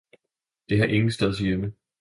det har ingensteds hjemme!